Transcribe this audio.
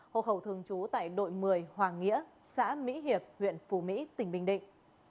hộ khẩu thường trú tại đội một mươi hoàng nghĩa xã mỹ hiệp huyện phú mỹ tỉnh bình định